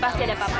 pasti ada papa